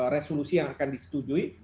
resolusi yang akan disetujui